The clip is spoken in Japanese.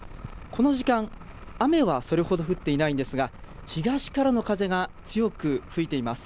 この時間、雨はそれほど降っていないんですが、東からの風が強く吹いています。